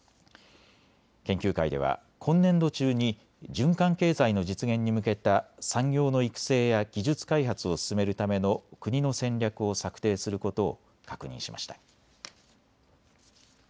研究会では今年度中に循環経済の実現に向けた産業の育成や技術開発を進めるための国の戦略を策定することを確認しました。